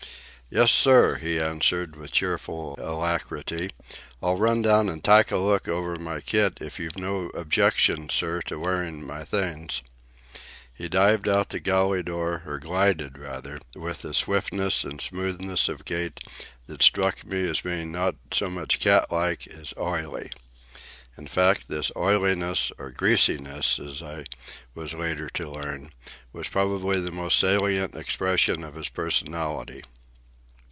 "Yes, sir," he answered, with cheerful alacrity. "I'll run down an' tyke a look over my kit, if you've no objections, sir, to wearin' my things." He dived out of the galley door, or glided rather, with a swiftness and smoothness of gait that struck me as being not so much cat like as oily. In fact, this oiliness, or greasiness, as I was later to learn, was probably the most salient expression of his personality.